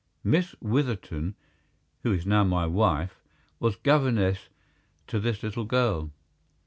Miss Witherton, who is now my wife, was governess to this little girl.